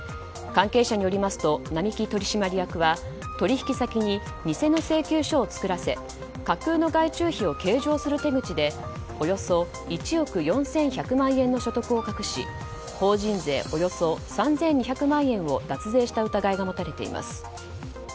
関係者によりますと並木取締役は取引先に偽の請求書を作らせ架空の外注費を計上する手口でおよそ１億４１００万円の所得を隠し法人税およそ３２００万円を脱税した疑いが持たれています。